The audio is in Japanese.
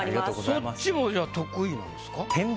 そっちもじゃあ得意なんですか？